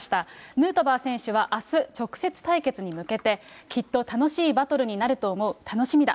ヌートバー選手はあす、直接対決に向けて、きっと楽しいバトルになると思う、楽しみだ。